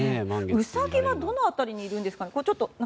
ウサギはどの辺りにいるんですかね。